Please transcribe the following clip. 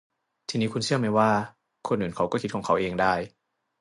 ทีนี้คุณเชื่อไหมว่า คนอื่นเขาก็คิดของเขาเองได้